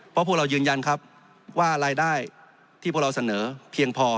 เพราะพวกเรายืนยันครับว่ารายได้ที่พวกเราเสนอเพียงพอ